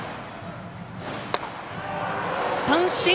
三振！